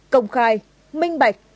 công khai minh bạch